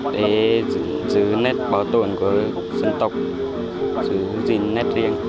để giữ nét bảo tồn của dân tộc giữ gìn nét riêng